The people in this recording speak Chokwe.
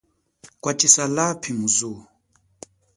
Kwatshisa lapi mu zuwo.